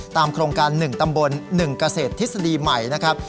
ตามโครงการหนึ่งตำบลหนึ่งเกษตรทฤษฎีใหม่นะครับ